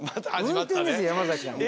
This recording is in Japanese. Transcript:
運転です山崎さんは。